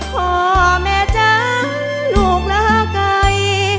พ่อแม่จ๊ะลูกลาไก่